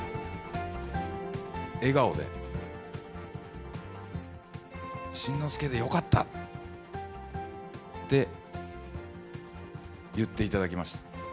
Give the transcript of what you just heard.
笑顔で、慎之助でよかったって言っていただきました。